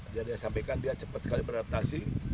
dia sudah disampaikan dia cepat sekali beradaptasi